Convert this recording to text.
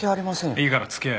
いいから付き合え。